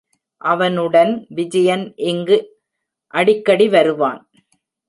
அவனுடன் விஜயன் இங்கு அடிக்கடி வருவான்.